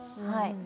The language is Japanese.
はい。